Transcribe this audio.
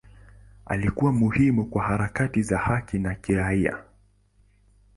Alikuwa muhimu kwa harakati za haki za kiraia.